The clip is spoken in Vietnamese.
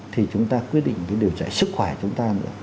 thì chúng ta quyết định cái điều chạy sức khỏe chúng ta nữa